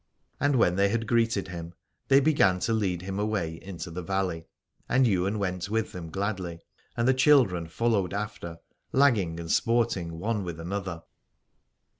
And when they had greeted him they began to lead him away into the valley : and Ywain went with them gladly and the children followed after, lagging and sport ing one with another.